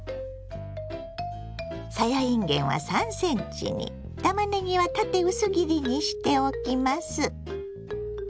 さやいんげんは３ｃｍにたまねぎは縦薄切りにしておきます。